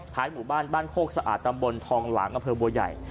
หมู่บ้านบ้านโคกสะอาดตำบลทองหลางอำเภอบัวใหญ่